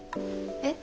えっ？